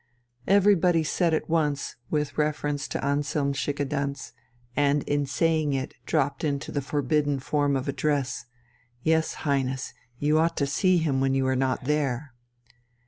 Everybody said at once, with reference to Anselm Schickedanz, and in saying it dropped into the forbidden form of address: "Yes, Highness, you ought to see him when you are not there!"